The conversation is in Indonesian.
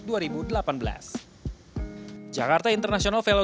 jakarta international velodrom juga telah mengantongi sepeda